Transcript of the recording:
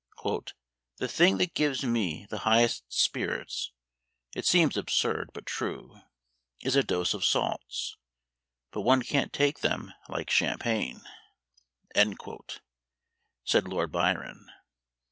"The thing that gives me the highest spirits (it seems absurd, but true) is a dose of salts; but one can't take them like champagne," said Lord Byron.